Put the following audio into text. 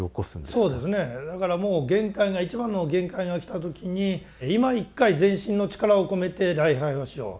そうですねだからもう限界が一番の限界がきた時にいま一回全身の力を込めて礼拝をしよう。